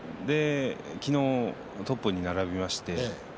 昨日、トップに並びました。